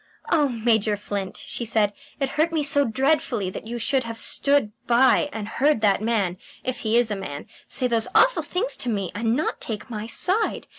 "Oh, Major Flint," she said, "it hurt me so dreadfully that you should have stood by and heard that man if he is a man say those awful things to me and not take my side.